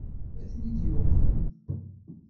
Ad ten-id-yuqem?